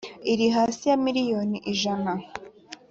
iri hasi ya miliyoni ijana